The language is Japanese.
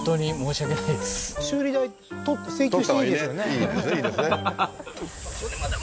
いいですねいいですねははは